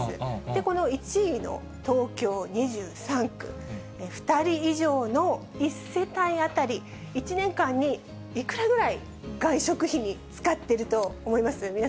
この１位の東京２３区、２人以上の１世帯当たり、１年間にいくらぐらい、外食費に使っていると思います？